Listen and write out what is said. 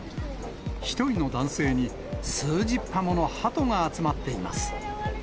１人の男性に数十羽ものハトが集まっています。